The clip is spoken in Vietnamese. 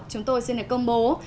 chúng tôi xin được công bố